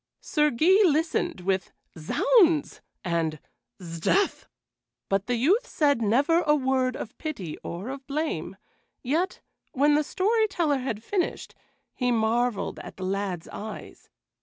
Sir Guy listened with "Zounds!" and "'Sdeath!" but the youth said never a word of pity or of blame; yet, when the story teller had finished, he marveled at the lad's eyes.